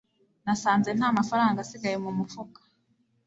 nasanze nta mafaranga asigaye mu mufuka